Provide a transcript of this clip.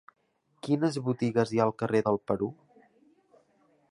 Quines botigues hi ha al carrer del Perú?